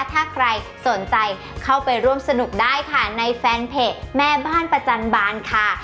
ถ้าใครสนใจเข้าไปร่วมสนุกได้ค่ะในแฟนเพจแม่บ้านประจันบานค่ะ